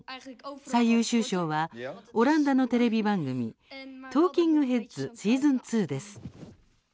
最優秀賞はオランダのテレビ番組「トーキング・ヘッズシーズン２」です。